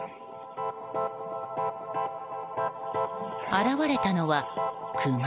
現れたのはクマ。